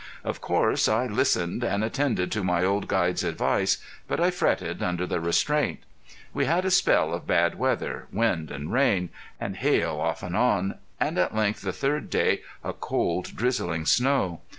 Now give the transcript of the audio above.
Of course I listened and attended to my old guide's advice, but I fretted under the restraint. We had a spell of bad weather, wind and rain, and hail off and on, and at length, the third day, a cold drizzling snow.